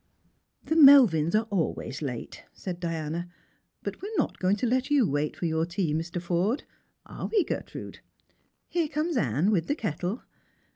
" The Melvins are always late," said Diana ;" but we are not going to let you wait for your tea, Mr. Forde — are we, Gertrude P Here comes Ann with the kettle."